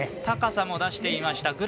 高さも出していました。